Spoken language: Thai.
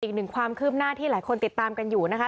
อีกหนึ่งความคืบหน้าที่หลายคนติดตามกันอยู่นะคะ